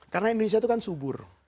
karena indonesia itu kan subur